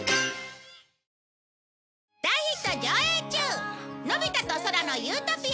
大ヒット上映中『のび太と空の理想郷』